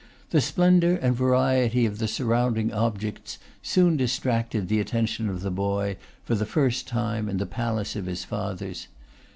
The splendour and variety of the surrounding objects soon distracted the attention of the boy, for the first time in the palace of his fathers.